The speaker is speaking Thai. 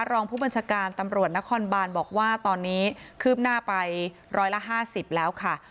รองผู้บัญชาการตำรวจนครบานบอกว่าตอนนี้คืบหน้าไปร้อยละ๕๐แล้วค่ะ